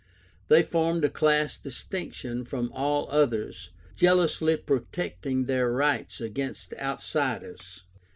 They formed a class distinct from all others, jealously protecting their rights against outsiders.